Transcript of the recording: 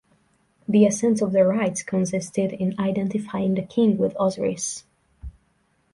The essence of the rites consisted in identifying the king with Osiris.